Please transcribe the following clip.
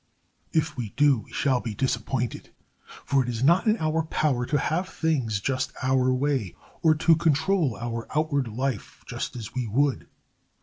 If we do we shall be disappointed, for it is not in our power to have things just our way, or to control our outward life just as we would.